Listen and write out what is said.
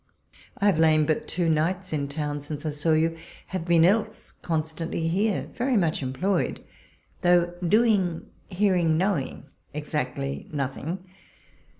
I have lain but two nights in town since I saw you ; have been, else, constantly here, very much employed, though doing, hear ing, knowing exactly nothing.